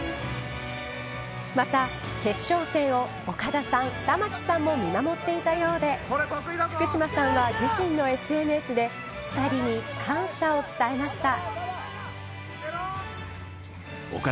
また、決勝戦を岡田さん、玉木さんも見守っていたようで福島さんは自身のＳＮＳで二人に感謝を伝えました。